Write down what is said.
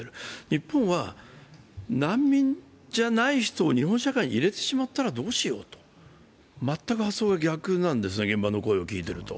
日本は、難民じゃない人を日本社会に入れてしまったらどうしようと、全く発想が逆なんですね、現場の声を聞いていると。